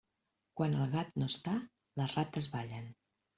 Quan el gat no està, les rates ballen.